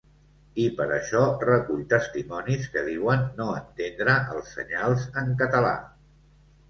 I per això recull testimonis que diuen no entendre els senyals en català.